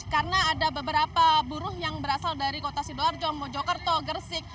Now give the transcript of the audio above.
karena ada beberapa buruh yang berasal dari kota sidoarjo mojokerto gersik